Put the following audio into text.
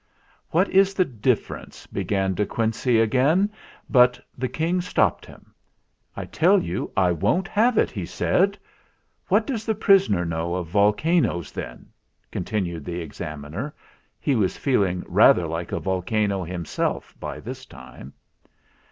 "What is the difference " began De Quin cey again. But the King stopped him. "I tell you I won't have it !" he said. "What does the prisoner know of volcanoes, then?" continued the Examiner. He was feel ing rather like a volcano himself by this time.